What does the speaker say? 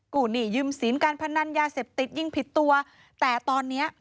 กูหนี่ยึมสินการพนันยาเศษติดยิ่งผิดตัวแต่ตอนเนี้ย